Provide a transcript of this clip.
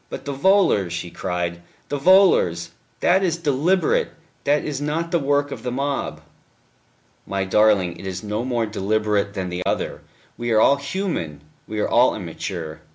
"But the volors," she cried, "the volors! That is deliberate; that is not the work of the mob." "My darling, it is no more deliberate than the other. We are all human, we are all immature.